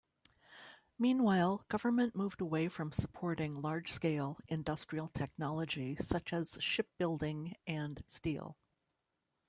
Meanwhile, government moved away from supporting large-scale industrial technology, such as shipbuilding and steel.